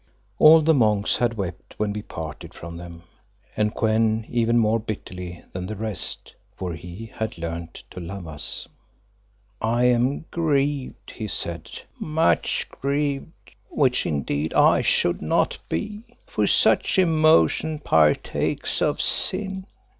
All the monks had wept when we parted from them, and Kou en even more bitterly than the rest, for he had learned to love us. "I am grieved," he said, "much grieved, which indeed I should not be, for such emotion partakes of sin.